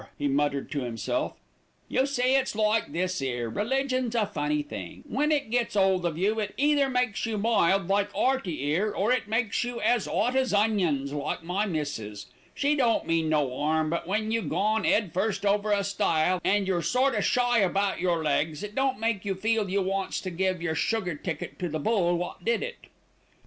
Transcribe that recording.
he muttered to himself. "You see, it's like this 'ere, religion's a funny thing. When it gets 'old of you, it either makes you mild, like 'Earty 'ere, or it makes you as 'ot as onions, like my missis. She don't mean no 'arm; but when you gone 'ead first over a stile, an' your sort o' shy about yer legs, it don't make you feel you wants to give yer sugar ticket to the bull wot did it."